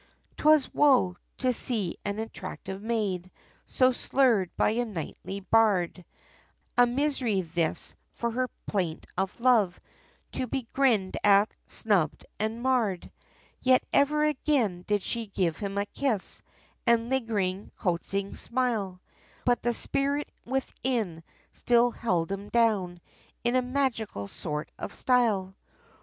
Twas woe! to see an attractive maid, So slurred, by a knightly bard, A misery this, for her plaint of love, To be grinned at, snubbed, and marred! Yet ever again, did she give him a kiss, And a lingering, coaxing smile, But the spirit within, still held him down, In a magical sort of style!